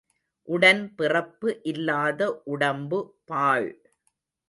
உடன் பிறப்பு இல்லாத உடம்பு பாழ்.